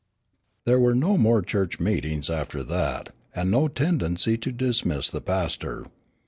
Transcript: There were no more church meetings after that, and no tendency to dismiss the pastor.